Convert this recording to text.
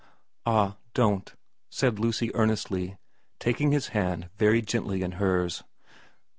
' Ah, don't,' said Lucy earnestly, taking his hand very gently in hers.